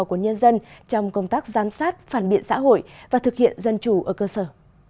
của nhân dân trong công tác giám sát phản biện xã hội và thực hiện dân chủ ở cơ sở